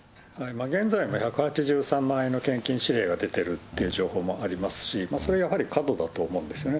現在１８３万円の献金指令が出てるっていう情報もありますし、それやはり過度だと思うんですよね。